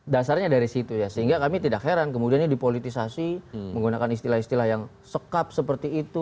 dasarnya dari situ ya sehingga kami tidak heran kemudian ini dipolitisasi menggunakan istilah istilah yang sekap seperti itu